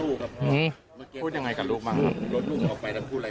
พี่พ่อพูดอย่างไรกับลูกบ้างครับ